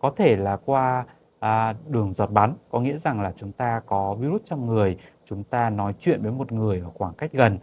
có thể là qua đường giọt bắn có nghĩa rằng là chúng ta có virus trong người chúng ta nói chuyện với một người ở khoảng cách gần